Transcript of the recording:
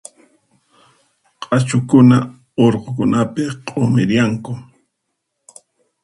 Q'achukuna urqukunapi q'umirianku.